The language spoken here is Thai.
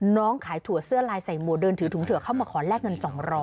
ขายถั่วเสื้อลายใส่หมวกเดินถือถุงเถื่อเข้ามาขอแลกเงิน๒๐๐